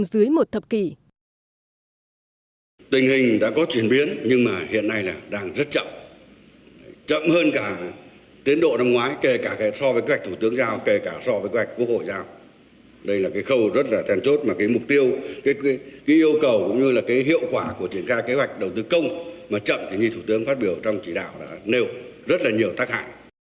đây là cái khâu rất là thèn chốt mà cái mục tiêu cái yêu cầu cũng như là cái hiệu quả của triển khai kế hoạch đầu tư công mà chậm thì như thủ tướng phát biểu trong chỉ đạo là nêu rất là nhiều tác hại